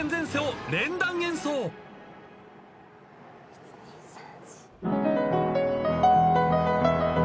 １２３４。